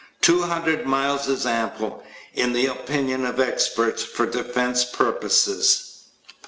Two hundred miles is ample, in the opinion of experts, for defense purposes.